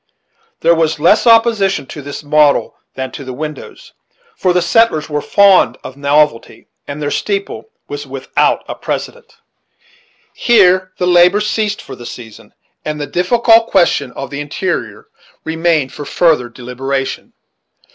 There was less opposition to this model than to the windows; for the settlers were fond of novelty, and their steeple was without a precedent. Here the labor ceased for the season, and the difficult question of the interior remained for further deliberation.